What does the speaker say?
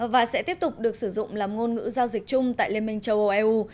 và sẽ tiếp tục được sử dụng làm ngôn ngữ giao dịch chung tại liên minh châu âu eu